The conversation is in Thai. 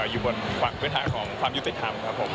อยู่บนภูมิฐาของความยุติธรรมครับผม